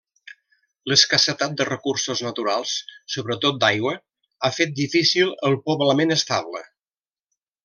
L'escassetat de recursos naturals, sobretot d'aigua, ha fet difícil el poblament estable.